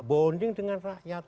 bonding dengan rakyat